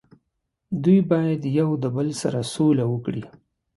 دوي باید یو د بل سره سوله وکړي